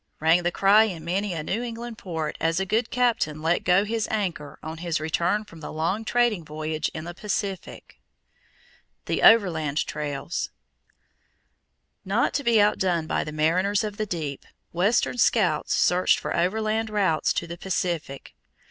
rang the cry in many a New England port as a good captain let go his anchor on his return from the long trading voyage in the Pacific. [Illustration: THE OVERLAND TRAILS] The Overland Trails. Not to be outdone by the mariners of the deep, western scouts searched for overland routes to the Pacific.